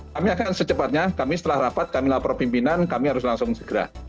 kami akan secepatnya kami setelah rapat kami lapor pimpinan kami harus langsung segera